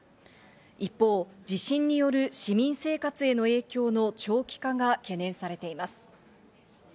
一方、地震による市民生活への影響の長期化が懸念されています。